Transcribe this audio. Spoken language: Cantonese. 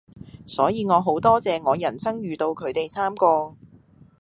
所以我好多謝我人生遇到佢哋三個⠀